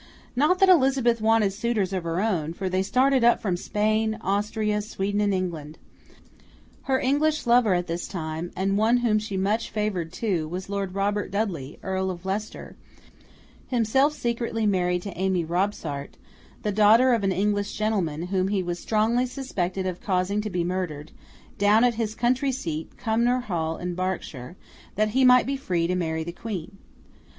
Not that Elizabeth wanted suitors of her own, for they started up from Spain, Austria, Sweden, and England. Her English lover at this time, and one whom she much favoured too, was Lord Robert Dudley, Earl of Leicester—himself secretly married to Amy Robsart, the daughter of an English gentleman, whom he was strongly suspected of causing to be murdered, down at his country seat, Cumnor Hall in Berkshire, that he might be free to marry the Queen.